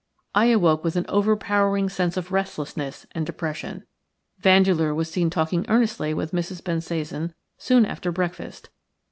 I awoke with an overpowering sense of restlessness and depression. Vandeleur was seen talking earnestly with Mrs. Bensasan soon after breakfast.